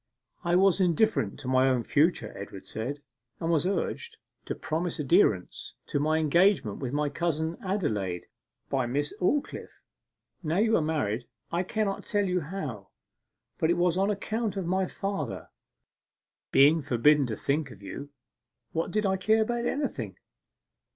'I was indifferent to my own future,' Edward said, 'and was urged to promise adherence to my engagement with my cousin Adelaide by Miss Aldclyffe: now you are married I cannot tell you how, but it was on account of my father. Being forbidden to think of you, what did I care about anything?